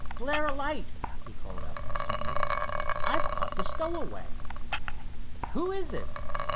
"Flare a light," he called out instantly. "I've caught the stowaway." "Who is it?